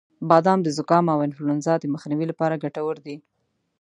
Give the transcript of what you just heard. • بادام د زکام او انفلونزا د مخنیوي لپاره ګټور دی.